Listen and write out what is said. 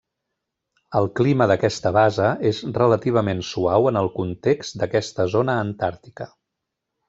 El clima d'aquesta base és relativament suau en el context d'aquesta zona antàrtica.